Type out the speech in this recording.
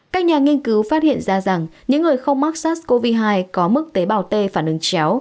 các nhà nghiên cứu phát hiện ra rằng những người không mắc sars cov hai có mức tế bào t phản ứng chéo